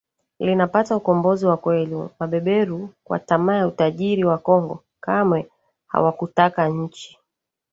linapata ukombozi wa kweli Mabeberu kwa tamaa ya utajiri wa Kongo kamwe hawakutaka nchi